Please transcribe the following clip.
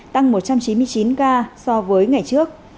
tăng một trăm chín mươi chín ca so với ngày trước